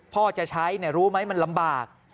พ่อจะใช้รู้ไหมมันลำบาก